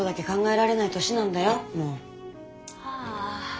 ああ。